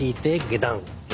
下段。